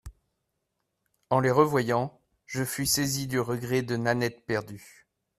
En les revoyant, je fus saisi du regret de Nanette perdue.